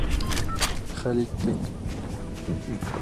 Хәл иттек!